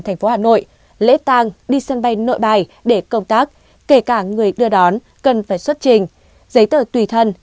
thành phố hà nội lễ tang đi sân bay nội bài để công tác kể cả người đưa đón cần phải xuất trình giấy tờ tùy thân